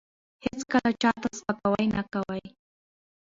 هیڅکله چا ته سپکاوی نه کوي.